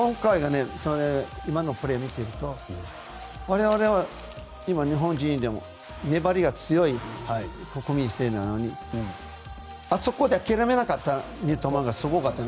今のプレーを見ていると日本人でも粘り強い国民性ですがあそこで諦めなかった三笘がすごかったね。